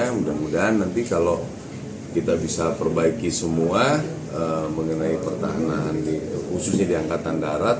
mudah mudahan nanti kalau kita bisa perbaiki semua mengenai pertahanan khususnya di angkatan darat